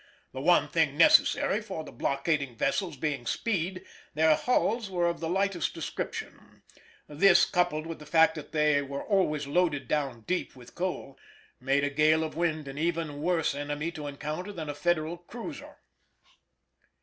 The one thing necessary for the blockading vessels being speed, their hulls were of the lightest description; this, coupled with the fact that they were always loaded down deep with coal, made a gale of wind an even worse enemy to encounter than a Federal cruiser.